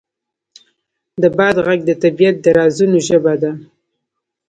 د باد غږ د طبیعت د رازونو ژبه ده.